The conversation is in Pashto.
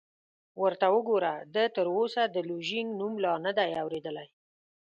ورته وګوره، ده تراوسه د لوژینګ نوم لا نه دی اورېدلی!